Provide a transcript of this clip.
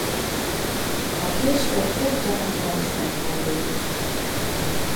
A később több csapatnál is megfordult.